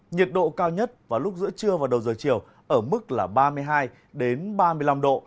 nhiệt độ cao nhất vào lúc giữa trưa và đầu giờ chiều ở mức là ba mươi hai ba mươi năm độ